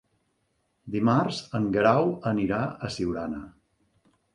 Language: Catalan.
Dimarts en Guerau anirà a Siurana.